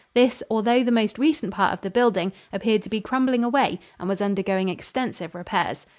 This, although the most recent part of the building, appeared to be crumbling away and was undergoing extensive repairs.